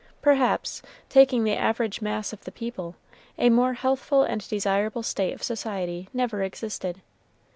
Perhaps, taking the average mass of the people, a more healthful and desirable state of society never existed.